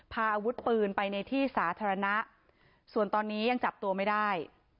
พาอาวุธปืนไปในที่สาธารณะส่วนตอนนี้ยังจับตัวไม่ได้